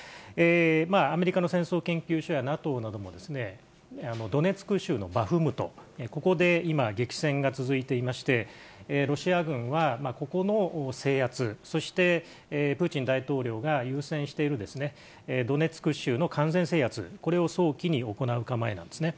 アメリカの戦争研究所やＮＡＴＯなども、ドネツク州のバフムト、ここで今、激戦が続いていまして、ロシア軍はここの制圧、そしてプーチン大統領が優先しているドネツク州の完全制圧、これを早期に行う構えなんですね。